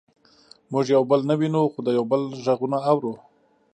موږ یو بل نه وینو خو د یو بل غږونه اورو